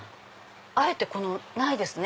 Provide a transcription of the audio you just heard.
あえてないですね